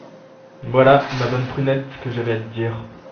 Voilà, ma bonne Prunette, ce que j’avais à te dire…